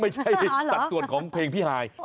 ไม่ใช่ตัดส่วนของเพลงพี่หาย